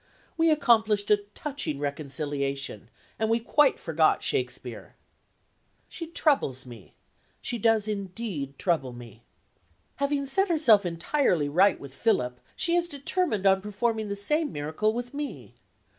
We accomplished a touching reconciliation, and we quite forgot Shakespeare. She troubles me; she does indeed trouble me. Having set herself entirely right with Philip, she is determined on performing the same miracle with me.